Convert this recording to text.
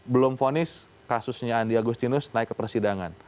belum vonis kasusnya andi agustinus naik ke persidangan